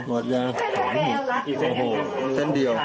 หอมห่วง